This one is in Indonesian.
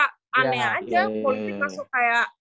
aneh aja politik masuk kayak